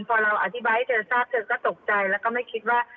พอเราอธิบายให้เธอทราบเธอก็ตกใจแล้วก็ไม่คิดว่า